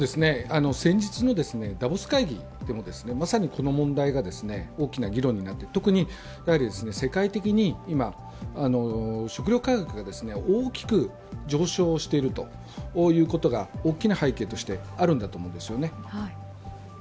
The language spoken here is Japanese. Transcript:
先日のダボス会議でもまさにこの問題が大きな議論になって特に世界的に今、食料価格が大きく上昇しているということが大きな背景としてあるんだと思うんですよね。